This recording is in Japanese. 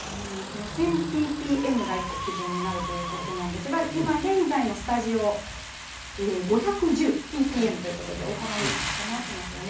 １０００ｐｐｍが１個、基準になるということですが今、現在のスタジオ５１０ｐｐｍということで大幅に下回っていますよね。